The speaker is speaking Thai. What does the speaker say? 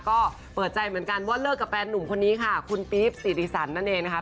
ก็เปิดใจเหมือนกันว่าเลิกกับแฟนหนุ่มคนนี้ค่ะคุณปี๊บสิริสันนั่นเองนะคะ